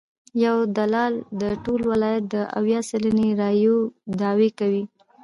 یو دلال د ټول ولایت د اویا سلنې رایو دعوی کوي.